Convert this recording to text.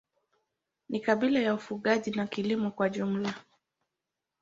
Ni kabila la ufugaji na kilimo kwa pamoja.